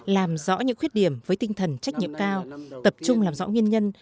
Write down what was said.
làm rõ những khuyết điểm với tinh thần trách nhiệm cao tập trung làm rõ nguyên nhân